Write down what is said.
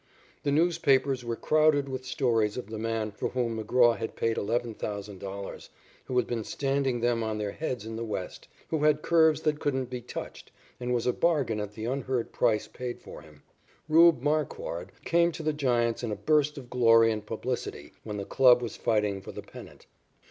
The newspapers were crowded with stories of the man for whom McGraw had paid $11,000, who had been standing them on their heads in the West, who had curves that couldn't be touched, and was a bargain at the unheard of price paid for him. "Rube" Marquard came to the Giants in a burst of glory and publicity when the club was fighting for the pennant.